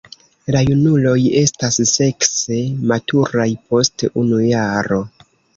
La junuloj estas sekse maturaj post unu jaro.